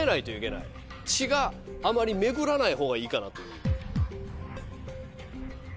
血があまり巡らないほうがいいかなという。